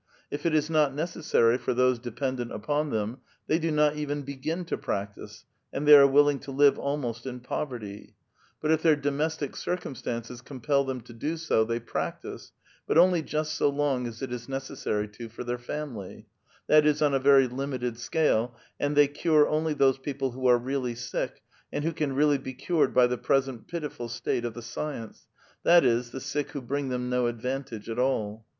If it is not neces sary for those dependent upon them, they do not even begin to practise, and they are willing to live almost in poverty ; but if their domestic circumstances compel them to do so, they i)ractise, but only just so long as it is necessary to, for their family ; that is, on a very limited scale, and they cure only those people who are really sick, and who can really' be cured by the present pitiful state of the science ; that is, the sick who bring them no advantage at all.